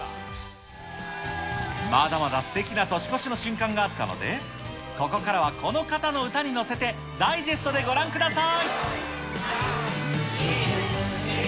まだまだすてきな年越しの瞬間があったので、ここからはこの方の歌に乗せて、ダイジェストでご覧ください。